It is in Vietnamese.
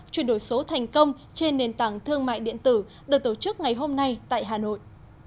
chuyển đổi số thành công trên nền tảng thương mại điện tử được tổ chức ngày hôm nay tại hà nội